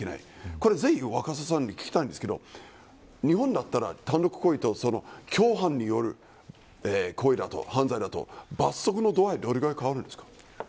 これはぜひ若狭さんに聞いたいのですが日本だったら、単独行為と共犯による罰則の度合いはどれぐらい変わるんですか。